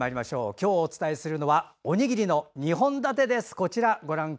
今日お伝えするのはおにぎりの２本立てです。